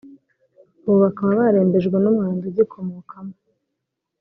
ubu bakaba barembejwe n’umwanda ugikomokamo